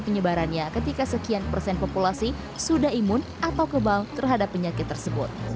penyebarannya ketika sekian persen populasi sudah imun atau kebal terhadap penyakit tersebut